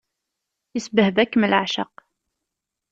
Isbehba-kem leεceq.